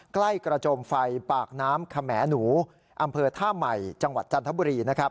ใกล้กระโจมไฟปากน้ำขมหนูอำเภอท่าใหม่จังหวัดจันทบุรี